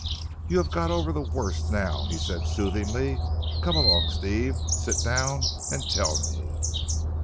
"You have got over the worst now," he said soothingly. "Come along, Steve. Sit down and tell me."